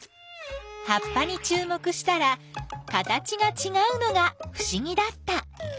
葉っぱにちゅう目したら形がちがうのがふしぎだった。